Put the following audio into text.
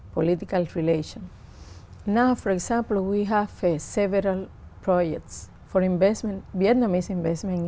nó là một trường hợp rất đặc biệt